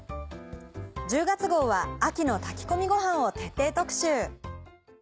１０月号は秋の炊き込みごはんを徹底特集。